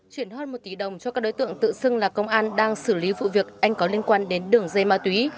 chuyển hơn một tỷ đồng cho các đối tượng tự xưng là công an đang xử lý vụ việc anh có liên quan đến đường dây ma túy